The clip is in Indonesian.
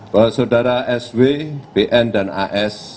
bahwa saudara sw bn dan as